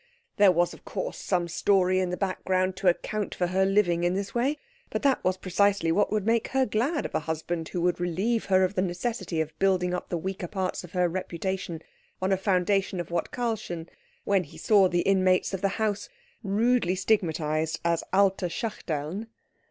There was, of course, some story in the background to account for her living in this way; but that was precisely what would make her glad of a husband who would relieve her of the necessity of building up the weaker parts of her reputation on a foundation of what Karlchen, when he saw the inmates of the house, rudely stigmatised as alte Schachteln.